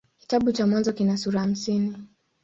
Kitabu cha Mwanzo kina sura hamsini.